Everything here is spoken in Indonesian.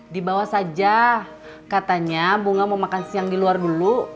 di bawah saja katanya munga mau makan siang di luar dulu